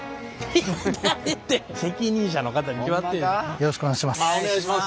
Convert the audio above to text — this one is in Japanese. よろしくお願いします。